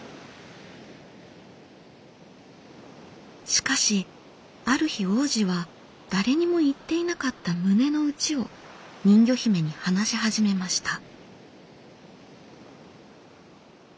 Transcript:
しかしある日王子は誰にも言っていなかった胸の内を人魚姫に話し始めました。